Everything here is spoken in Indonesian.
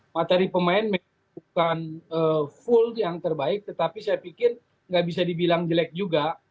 materi pemain bukan full yang terbaik tetapi saya pikir nggak bisa dibilang jelek juga